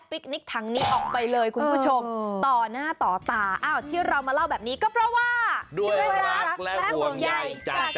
และห่วงใยจากใจตลอดข่าวนะจ๊ะ